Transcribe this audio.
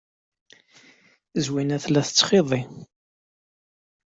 Zwina tella tettxiḍi.